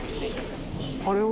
あれは？